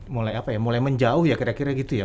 mulai apa ya mulai menjauh ya kira kira gitu ya